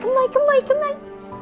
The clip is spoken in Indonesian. kemai kemai kemai